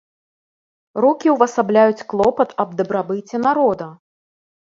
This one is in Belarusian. Рукі ўвасабляюць клопат аб дабрабыце народа.